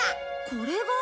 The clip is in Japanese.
これが？